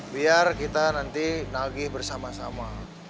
biar kita nanti nagih bersama sama